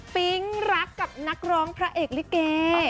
ปิ๊งรักกับนักร้องพระเอกลิเก